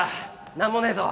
何もねえぞ。